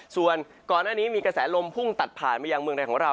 ส่วนก่อนหน้านี้มีกระแสลมพุ่งตัดผ่านมายังเมืองไทยของเรา